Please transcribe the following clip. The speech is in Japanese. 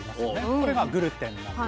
これがグルテンなんです。